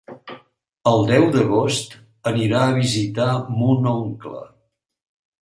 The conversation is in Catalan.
El deu d'agost anirà a visitar mon oncle.